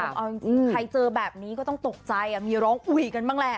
เอาจริงใครเจอแบบนี้ก็ต้องตกใจมีร้องอุ่ยกันบ้างแหละ